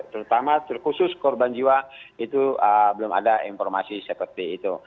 terutama khusus korban jiwa itu belum ada informasi seperti itu